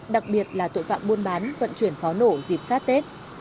đặc biệt là tội phạm buôn bán vận chuyển pháo nổ dịp sát tết